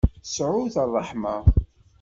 Sɛut ṛṛeḥma.